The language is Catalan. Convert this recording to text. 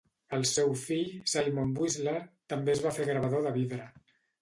El seu fill, Simon Whistler, també es va fer gravador de vidre.